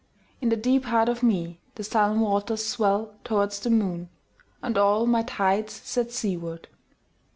In the deep heart of meThe sullen waters swell towards the moon, And all my tides set seaward.